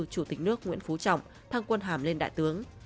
chủ tịch nước nguyễn phú trọng thăng quân hàm lên đại tướng